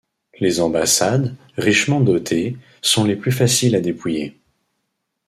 Les ambassades, richement dotées, sont les plus faciles à dépouiller.